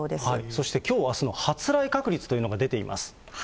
そして、きょうあすの発雷確率というのが出ています。